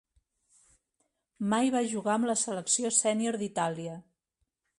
Mai va jugar amb la selecció sènior d'Itàlia.